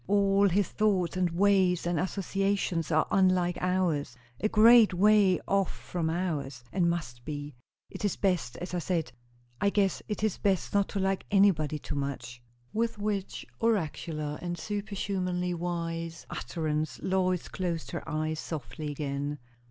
All his thoughts and ways and associations are unlike ours a great way off from ours; and must be. It is best as I said. I guess it is best not to like anybody too much." With which oracular and superhumanly wise utterance Lois closed her eyes softly again.